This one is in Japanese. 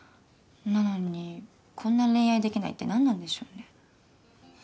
なのにこんな恋愛できないって何なんでしょうね？